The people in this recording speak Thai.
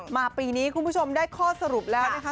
ปีนี้คุณผู้ชมได้ข้อสรุปแล้วนะคะ